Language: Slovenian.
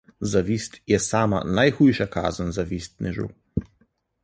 Zavist je sama najhujša kazen zavistnežu.